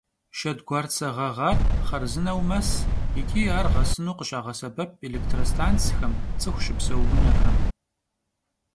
Şşedguartse ğeğuar xharzıneu mes yiç'i ar ğesınu khışağesebep elêktrostantsxem, ts'ıxu şıpseu vunexem.